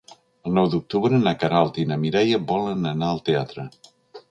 El nou d'octubre na Queralt i na Mireia volen anar al teatre.